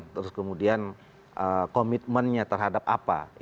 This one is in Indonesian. terus kemudian komitmennya terhadap apa